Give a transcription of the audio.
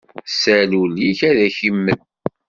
Sal ul-ik, ad ak-imel.